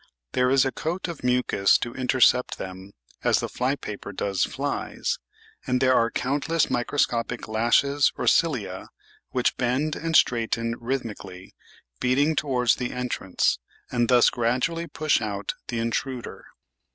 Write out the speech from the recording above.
There is a coat of mucus to inter cept them (as the flypaper does flies), and there are countless microscopic lashes or cilia which bend and straighten rhythmic ally, beating towards the entrance, and thus gradually push out the intruder.